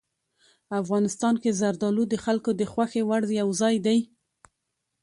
افغانستان کې زردالو د خلکو د خوښې وړ یو ځای دی.